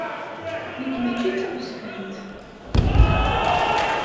Nekk mačči d taɣezzfant.